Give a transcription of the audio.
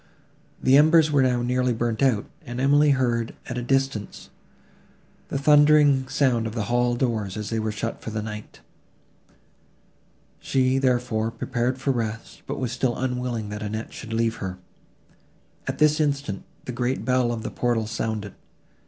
The embers were now nearly burnt out; and Emily heard, at a distance, the thundering sound of the hall doors, as they were shut for the night. She, therefore, prepared for rest, but was still unwilling that Annette should leave her. At this instant, the great bell of the portal sounded.